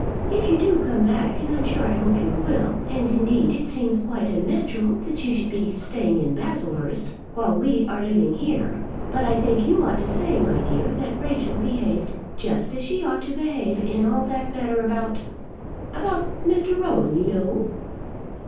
If you do come back, and I'm sure I hope you will; and indeed it seems quite unnatural that you should be staying in Baslehurst, while we are living here. But I think you ought to say, my dear, that Rachel behaved just as she ought to behave in all that matter about, about Mr. Rowan, you know."